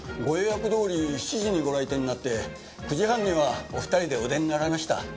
ご予約どおり７時にご来店になって９時半にはお二人でお出になられました。